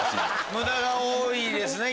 無駄が多いですね